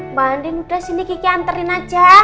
mbak andin udah sini kiki anterin aja